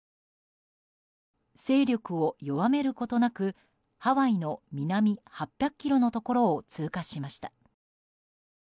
勢力を弱めることなくハワイの南８００ｋｍのところを通過しました。